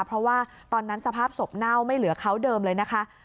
เพราะว่าตอนนั้นสภาพศพเน่าไม่เหลือเขาเดิมเลยนะคะ